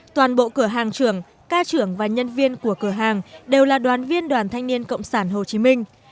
toàn bộ cửa hàng trưởng ca trưởng và nhân viên của cửa hàng đều là đoàn viên đoàn thanh niên cộng sản hồ chí minh